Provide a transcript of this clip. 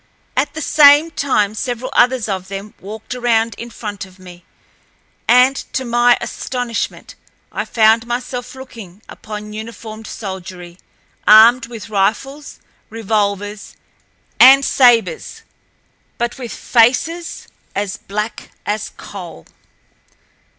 At the same time several others of them walked around in front of me, and, to my astonishment, I found myself looking upon uniformed soldiery, armed with rifles, revolvers, and sabers, but with faces as black as coal.